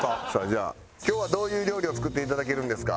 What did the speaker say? じゃあ今日はどういう料理を作っていただけるんですか？